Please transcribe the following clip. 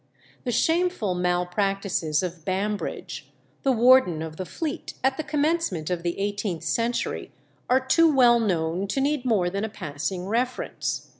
The shameful malpractices of Bambridge, the warden of the Fleet at the commencement of the eighteenth century, are too well known to need more than a passing reference.